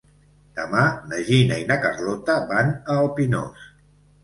Demà na Gina i na Carlota van al Pinós.